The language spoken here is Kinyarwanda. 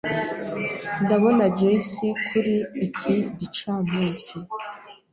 Ndabona Joyce kuri iki gicamunsi.